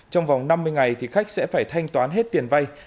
trong vòng năm mươi ngày thì khách sẽ phải thanh toán hết tiền vay